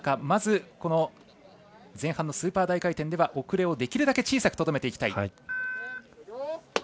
まず、この前半のスーパー大回転では遅れをできるだけ小さくとどめていきたい。